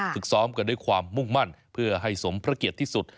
ฝึกซ้อมกันด้วยความมุ่งมั่นเพื่อให้สมพระเกียรติที่สุด